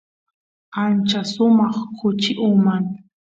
ancha sumaq kuchi uman